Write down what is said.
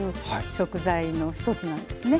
食材の一つなんですね。